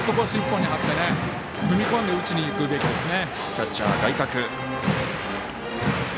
１本に張って踏み込んで打ちにいくべきですね。